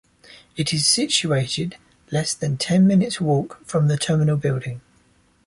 It is situated less than ten minutes walk from the Terminal building.